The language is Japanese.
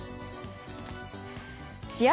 試合